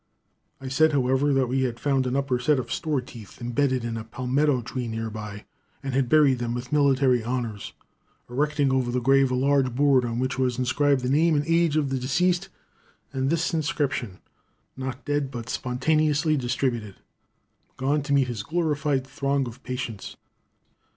I said, however, that we had found an upper set of store teeth imbedded in a palmetto tree near by, and had buried them with military honors, erecting over the grave a large board, on which was inscribed the name and age of the deceased and this inscription: "_Not dead, but spontaneously distributed. Gone to meet his glorified throng of patients.